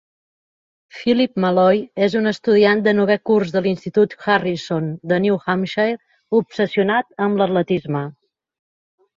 Philip Malloy és un estudiant de novè curs de l'institut Harrison de New Hampshire obsessionat amb l'atletisme.